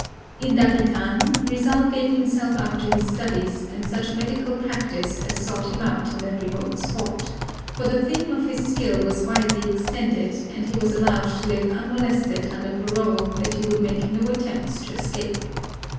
In Dapitan Rizal gave himself up to his studies and such medical practice as sought him out in that remote spot, for the fame of his skill was widely extended, and he was allowed to live unmolested under parole that he would make no attempt to escape.